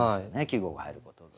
季語が入ることで。